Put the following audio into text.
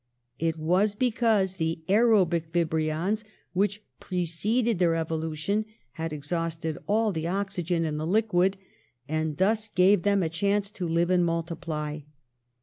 It was because the aerobic vibrions which preceded their evolu tion had exhausted all the oxygen in the liquid, and thus gave them a chance to live and multi ply.